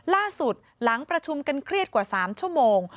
หลังประชุมกันเครียดกว่า๓ชั่วโมง